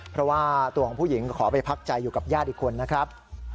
เพราะว่าตัวของผู้หญิงขอไปพักใจอยู่กับญาติอีกคนนะครับ